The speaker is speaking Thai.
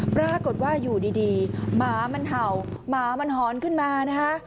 ปรากฏว่าอยู่ดีหมามันเห่าหมามันหอนขึ้นมานะคะ